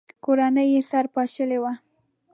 کورنۍ یې سره پاشلې وه.